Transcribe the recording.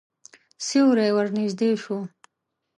سیوری ورنږدې شو.